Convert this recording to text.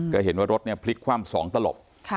แล้วเห็นว่ารถนี้พลิกคว่ำ๒ตลบ